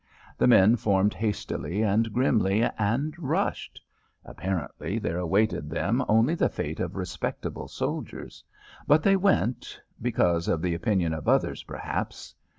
The men formed hastily and grimly, and rushed. Apparently there awaited them only the fate of respectable soldiers. But they went because of the opinions of others, perhaps.